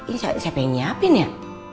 ini siapa yang nyiapin ya